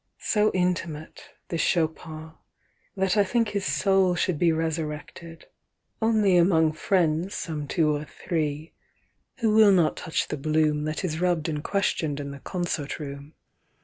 "So intimate, this Chopin, that I think his soul Should be resurrected only among friends Some two or three, who will not touch the bloom That is rubbed and questioned in the concert room."